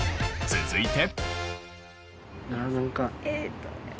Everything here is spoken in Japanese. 続いて。